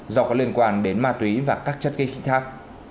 do có liên quan đến ma túy và các chất cây khinh thác